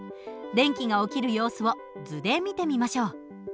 電気が起きる様子を図で見てみましょう。